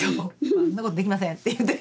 「そんなことできません」って言うてね